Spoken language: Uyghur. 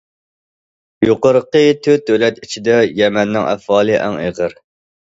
يۇقىرىقى تۆت دۆلەت ئىچىدە يەمەننىڭ ئەھۋالى ئەڭ ئېغىر.